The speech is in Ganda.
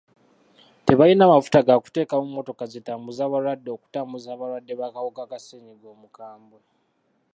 Tebalina mafuta ga kuteeka mu mmotoka zitambuza balwadde okutambuza abalwadde b'akawuka ka ssenyiga omukambwe.